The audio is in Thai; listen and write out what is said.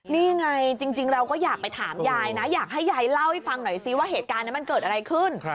นี่ไงจริงเราก็อยากไปถามยายนะอยากให้ยายเล่าให้ฟังหน่อยซิว่าเหตุการณ์นั้นมันเกิดอะไรขึ้น